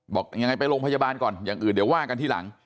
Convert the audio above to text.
บอกยังไงไปโรงพยาบาลก่อนอย่างอื่นเดี๋ยวว่ากันทีหลัง